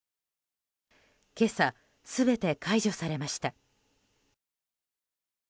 今朝、全て解除されました。